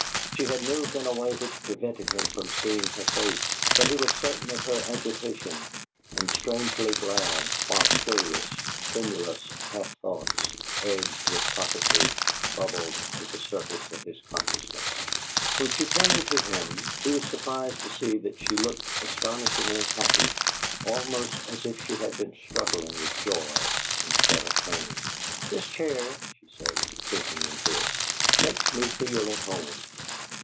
She had moved in a way which prevented him from seeing her face, but he was certain of her agitation, and strangely glad, while curious, tremulous half thoughts, edged with prophecy, bubbled to the surface of his consciousness. When she turned to him, he was surprised to see that she looked astonishingly happy, almost as if she had been struggling with joy, instead of pain. "This chair," she said, sinking into it, "makes me feel at home."